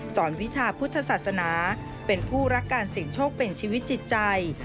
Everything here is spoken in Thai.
วิชาพุทธศาสนาเป็นผู้รักการเสี่ยงโชคเป็นชีวิตจิตใจ